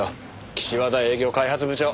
岸和田営業開発部長。